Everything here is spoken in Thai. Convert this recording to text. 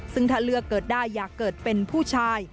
ซึ่งถ้าเลือกเกิดได้อยากเกิดเป็นผู้ชาย